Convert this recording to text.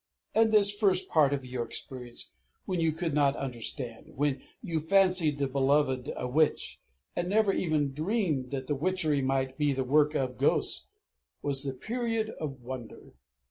And this first part of your experience, when you could not understand, when you fancied the beloved a witch, and never even dreamed that the witchery might be the work of ghosts, was the Period of Wonder.